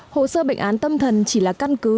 hồ sơ bệnh án tâm thần chỉ là căn cứ